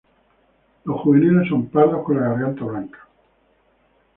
Los juveniles son pardos, con la garganta blanca.